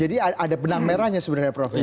jadi ada benang merahnya sebenarnya prof